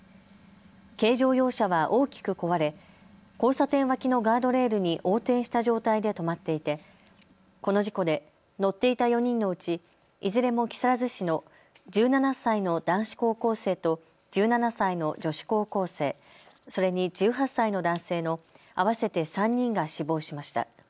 軽乗用車は大きく壊れ交差点脇のガードレールに横転した状態で止まっていて、この事故で乗っていた４人のうちいずれも木更津市の１７歳の男子高校生と１７歳の女子高校生、それに１８歳の男性の合わせて３人が死亡しました。